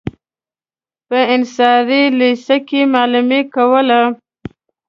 په انصاري لېسه کې معلمي کوله.